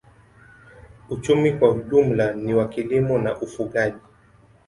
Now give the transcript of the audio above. Uchumi kwa jumla ni wa kilimo na ufugaji.